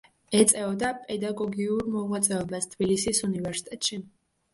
ეწეოდა პედაგოგიურ მოღვაწეობას თბილისის უნივერსიტეტში.